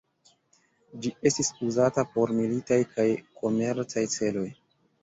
Ĝi estis uzata por militaj kaj komercaj celoj.